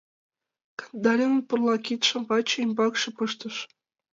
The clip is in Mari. Кандалинын пурла кидшым ваче ӱмбакше пыштыш.